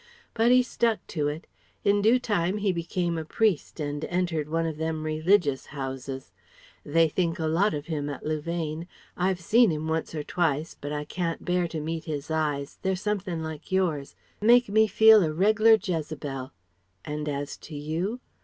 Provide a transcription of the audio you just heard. But he stuck to it. In due time he became a priest and entered one of them religious houses. They think a lot of him at Louvain. I've seen him once or twice but I can't bear to meet his eyes they're somethin' like yours make me feel a reg'lar Jezebel. And as to you?